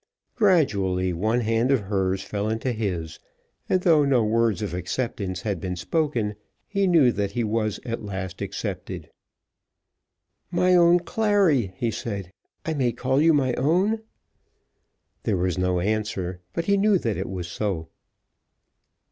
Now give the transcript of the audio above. Gradually one hand of hers fell into his, and though no word of acceptance had been spoken he knew that he was at last accepted. "My own Clary," he said. "I may call you my own?" There was no answer, but he knew that it was so.